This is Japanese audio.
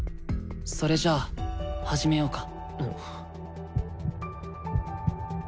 それじゃあ始めようか。